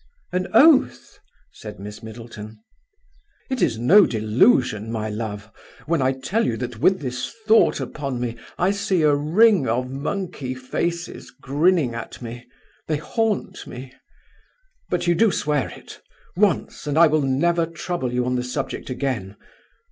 "An oath!" said Miss Middleton. "It is no delusion, my love, when I tell you that with this thought upon me I see a ring of monkey faces grinning at me; they haunt me. But you do swear it! Once, and I will never trouble you on the subject again.